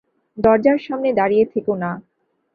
দরজার সামনে দাঁড়িয়ে থেকো না।